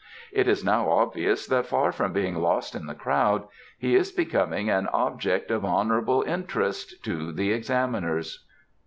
It is now obvious that far from being lost in the crowd he is becoming an object of honourable interest to the examiners."